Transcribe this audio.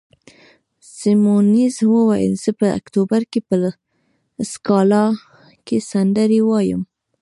سیمونز وویل: زه په اکتوبر کې په سکالا کې سندرې وایم.